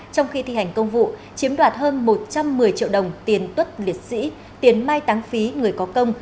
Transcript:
trong khi thi hành công vụ chiếm đoạt hơn một trăm một mươi triệu đồng tiền tuất liệt sĩ tiền mai táng phí người có công